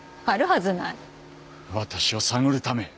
私を探るため？